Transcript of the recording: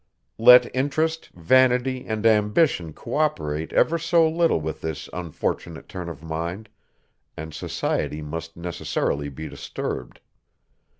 Let interest, vanity, and ambition, co operate ever so little with this unfortunate turn of mind, and society must necessarily be disturbed.